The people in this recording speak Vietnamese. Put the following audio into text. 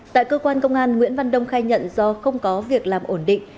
tại cơ quan công an nguyễn văn đông khai nhận do không có việc làm ổn định